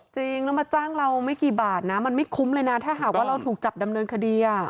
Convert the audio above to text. จริงแล้วมาจ้างเราไม่กี่บาทนะมันไม่คุ้มเลยนะถ้าหากว่าเราถูกจับดำเนินคดี